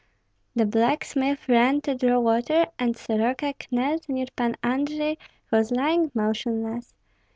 The blacksmith ran to draw water, and Soroka knelt near Pan Andrei, who was lying motionless.